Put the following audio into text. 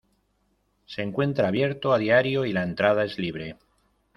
Se encuentra abierto a diario y la entrada es libre.